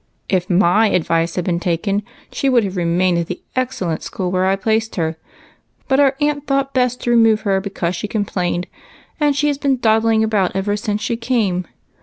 "If my advice had been taken, she would have remained at the excellent school where I placed her. But our aunt thought best to remove her because she complained, and she has been dawdling about ever since she came.